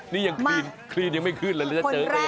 นี่ยังครีนไม่ขึ้นแล้วจะเจชันไหม